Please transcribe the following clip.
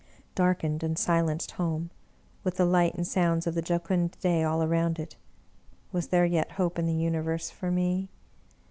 Darkened and silenced home, with the light and sounds of the jocund day all around it. Was there yet hope in the Universe for me?